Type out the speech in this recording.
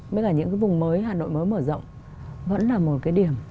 với cả những cái vùng mới hà nội mới mở rộng vẫn là một cái điểm